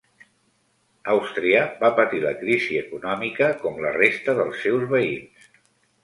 Àustria va patir la crisi econòmica com la resta dels seus veïns.